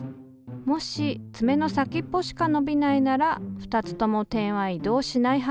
もしつめの先っぽしか伸びないなら２つとも点は移動しないはず。